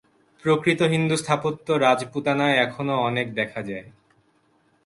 প্রকৃত হিন্দু স্থাপত্য রাজপুতানায় এখনও অনেক দেখা যায়।